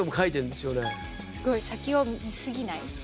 すごい「先を見すぎない。